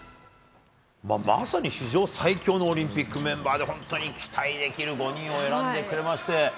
まさに史上最強のオリンピックメンバーで本当に期待できる５人を選んでくれまして。